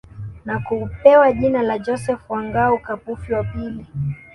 Na kupewa jina la Joseph wa Ngao Kapufi wa Pili